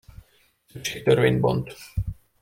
Szükség törvényt bont.